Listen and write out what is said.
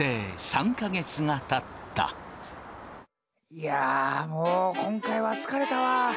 いやもう今回は疲れたわ。